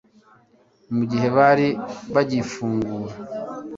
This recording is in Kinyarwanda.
mu gihe bari bagifungura